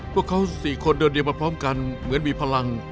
พวกเขาสี่คนเรียกมาพร้อมกันเหมือนมีพลัง